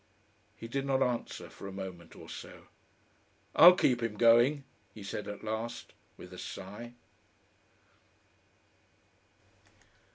He did not answer for a moment or so. "I'll keep him going," he said at last with a sigh.